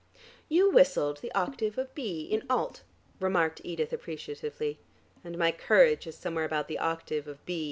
"You whistled the octave of B. in alt," remarked Edith appreciatively. "And my courage is somewhere about the octave of B.